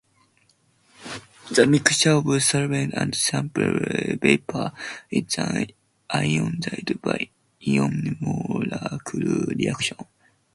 The mixture of solvent and sample vapor is then ionized by ion-molecule reaction.